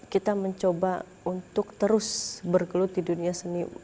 kita mencoba untuk terus bergelut di dunia seni